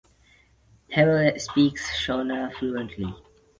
Hewlett speaks Shona fluently.